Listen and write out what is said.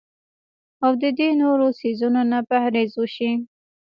او د دې نورو څيزونو نه پرهېز اوشي